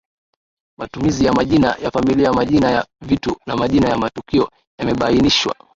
Matumizi ya majina ya familia majina ya vitu na majina ya matukio yamebainishwa